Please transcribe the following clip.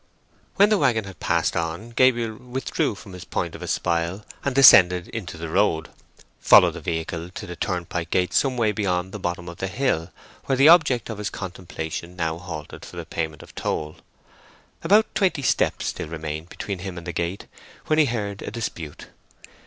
When the waggon had passed on, Gabriel withdrew from his point of espial, and descending into the road, followed the vehicle to the turnpike gate some way beyond the bottom of the hill, where the object of his contemplation now halted for the payment of toll. About twenty steps still remained between him and the gate, when he heard a dispute.